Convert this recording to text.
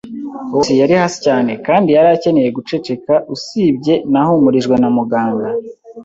uwo munsi yari hasi cyane kandi yari akeneye guceceka; usibye, nahumurijwe na muganga